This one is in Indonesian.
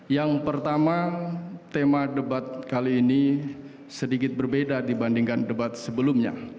yang pertama tema debat kali ini sedikit berbeda dibandingkan debat sebelumnya